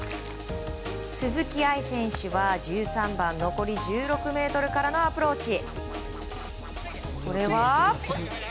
鈴木愛選手は１３番、残り１６ｍからのアプローチ。